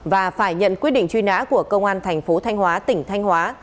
và phải nhận quyết định truy nã của công an tp hcm tỉnh thanh hóa